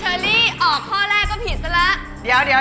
เชอรี่ออกข้อแรกก็ผิดแล้วละ